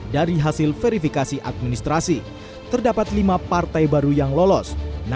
dari hasil verifikasi administrasi terdapat lima partai baru yang lolos